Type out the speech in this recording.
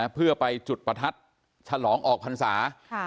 เพื่อไปจุดประทัดฉลองออกพรรษา